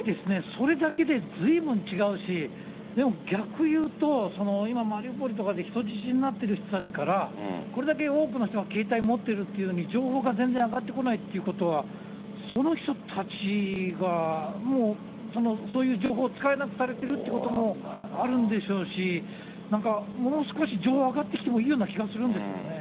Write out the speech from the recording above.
それだけでずいぶん違うし、でも逆言うと、今、マリウポリとかで人質になっている人たちから、これだけ多くの人が携帯持ってるっていうのに、情報が全然上がってこないということは、その人たちがもうそういう情報を使えなくされてるってこともあるんでしょうし、なんか、もう少し情報上がってきてもいいような気がするんですけどね。